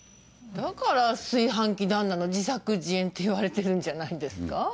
だから炊飯器旦那の自作自演っていわれてるんじゃないんですか？